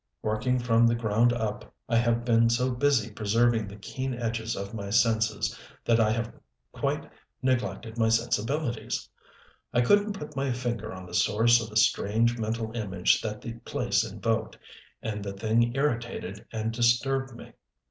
Working from the ground up, I have been so busy preserving the keen edges of my senses that I have quite neglected my sensibilities. I couldn't put my finger on the source of the strange, mental image that the place invoked; and the thing irritated and disturbed me.